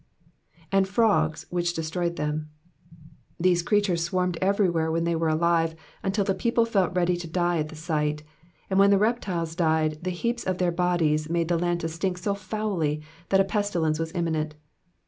^^And frogs^ tohic/i deatroyed ^//«//i." These creatures swaimed everywhere when they were alive, until the people feit leady to die at tlie sight; and when the reptiles died, the heaps of their bodies made the land to stinic so foully, that a pestiltnce was imminent.